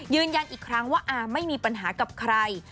ยืนยันอีกครั้งว่าอาไม่มีปัญหากับใคร